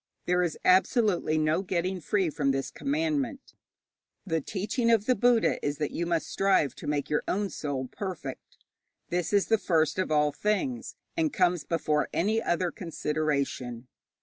There is absolutely no getting free of this commandment. The teaching of the Buddha is that you must strive to make your own soul perfect. This is the first of all things, and comes before any other consideration.